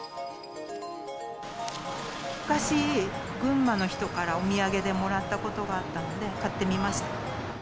昔、群馬の人からお土産でもらったことがあったので、買ってみました。